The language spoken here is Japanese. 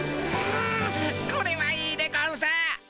あこれはいいでゴンス。